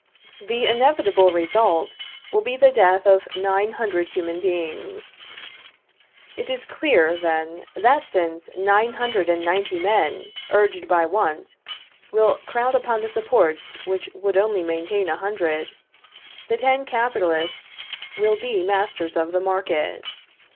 The inevitable result will be the death of nine hundred human beings. It is clear, then, that since nine hundred and ninety men, urged by want, will crowd upon the supports which would only maintain a hundred, the ten capitalists will be masters of the market.